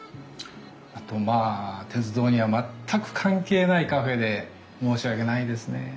あとまあ鉄道には全く関係ないカフェで申し訳ないですね。